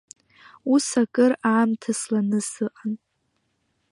Ус акыр аамҭа сланы сыҟан.